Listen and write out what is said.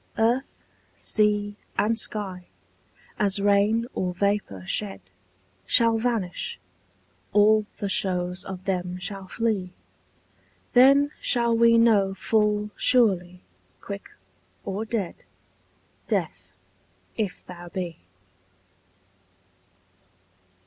Earth, sea, and sky, as rain or vapour shed, Shall vanish; all the shows of them shall flee: Then shall we know full surely, quick or dead, Death, if thou be.